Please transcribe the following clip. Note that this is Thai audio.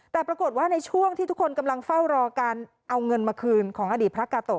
แต่ปรากฏว่าในช่วงที่ทุกคนกำลังเฝ้ารอการเอาเงินมาคืนของอดีตพระกาโตะ